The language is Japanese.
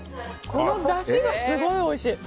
このだしが、すごいおいしい。